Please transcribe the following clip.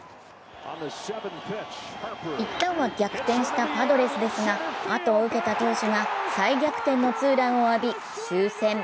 いったんは逆転したパドレスですが、あとを受けた投手が再逆転のツーランを浴び終戦。